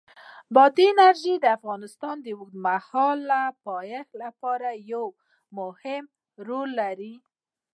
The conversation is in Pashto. بادي انرژي د افغانستان د اوږدمهاله پایښت لپاره یو مهم رول لري.